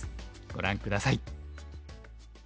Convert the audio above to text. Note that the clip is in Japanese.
ご覧下さい。